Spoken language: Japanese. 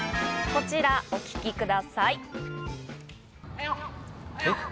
こちら、お聞きください。